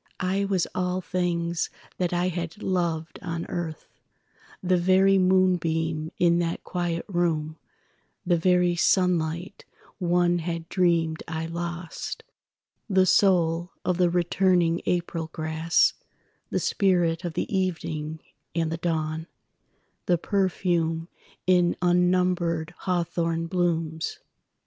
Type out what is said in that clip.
I was all things that I had loved on earth—The very moonbeam in that quiet room, The very sunlight one had dreamed I lost, The soul of the returning April grass, The spirit of the evening and the dawn, The perfume in unnumbered hawthorn blooms.